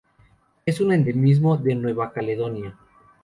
Es un endemismo de Nueva Caledonia.